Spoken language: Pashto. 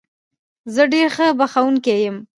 زه ډېر ښه پخوونکی یم